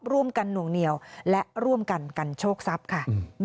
หน่วงเหนียวและร่วมกันกันโชคทรัพย์ค่ะ